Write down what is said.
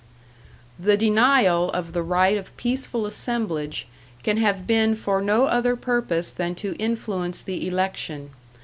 "The denial of the right of peaceful assemblage, can have been for no other purpose than to influence the election.